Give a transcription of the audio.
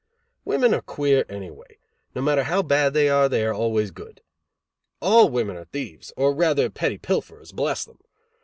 Women are queer, anyway. No matter how bad they are, they are always good. All women are thieves, or rather petty pilferers, bless them!